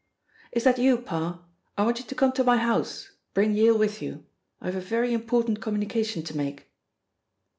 "Is that you, Parr? I want you to come to my house. Bring Yale with you. I have a very important communication to make."